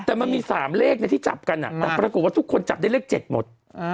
แต่มันมี๓เลขที่จับกันแต่ปรากฏว่าทุกคนจับได้เลข๗หมด